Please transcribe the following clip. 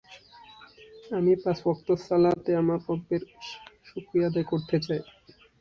ছবিটিতে বিভিন্ন চরিত্রের কাহিনী বিধৃত হয়েছে, যদিও তাঁদের মধ্যে কোনো যোগাযোগ থাকে না।